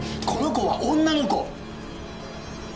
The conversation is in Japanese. この子は女の子！